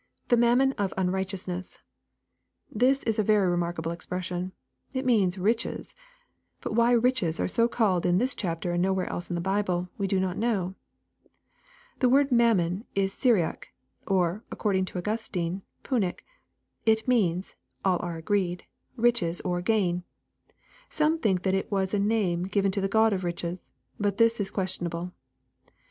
[The mammon of unrighteousness.] This is a very remarkable expression. It means " riches." But why " riches" are so called in tliis chapter and nowhere else in the Bible, we do not know. The word " mammon" is Syriac ; or, according to Augustine, Punic. It means, all are agreed, riches or gain. Some think that it was a name given to the god of riches. But this is ques tionable.